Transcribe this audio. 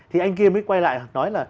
thì anh kia mới quay lại nói là